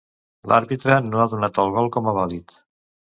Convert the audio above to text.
L'àrbitre no ha donat el gol com a vàlid.